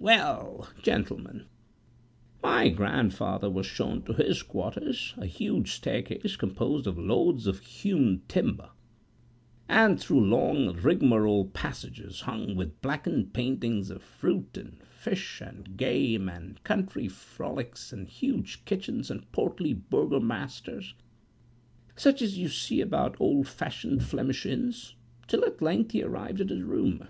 Well, gentlemen, my grandfather was shown to his quarters, up a huge Staircase composed of loads of hewn timber; and through long rigmarole passages, hung with blackened paintings of fruit, and fish, and game, and country frollics, and huge kitchens, and portly burgomasters, such as you see about old fashioned Flemish inns, till at length he arrived at his room.